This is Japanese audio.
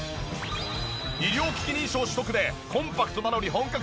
医療機器認証取得でコンパクトなのに本格的。